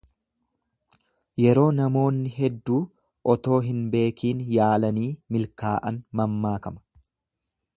Yeroo namoonni hedduu otoo hin beekiin yaalanii milkaa'an mammaakama.